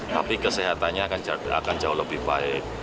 tapi kesehatannya akan jauh lebih baik